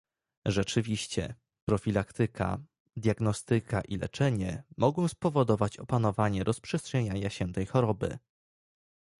Rzeczywiście, profilaktyka, diagnostyka i leczenie mogą spowodować opanowanie rozprzestrzeniania się tej choroby